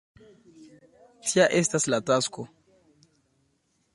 Tia estas la tasko.